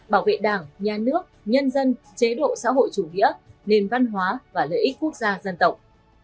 bảo vệ đảng nhà nước nhân dân chế độ xã hội chủ nghĩa nền văn hóa và lợi ích quốc gia dân tộc